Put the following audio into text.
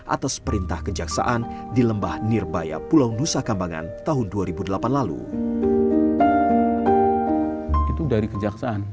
atas perintah kejaksaan di lembah nirbaya pulau nusa kambangan tahun dua ribu delapan lalu itu dari kejaksaan